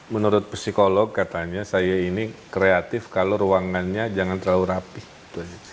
menurut psikolog katanya saya ini kreatif kalau ruangannya jangan terlalu rapih gitu aja